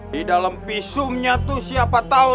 di dalam visumnya tuh siapa tau